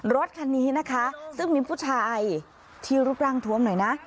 รถคันนี้นะคะซึ่งมีผู้ชายที่รูปร่างทวมหน่อยนะ